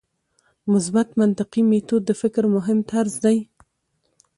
مثبت منطقي میتود د فکر مهم طرز دی.